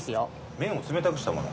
麺を冷たくしたもの。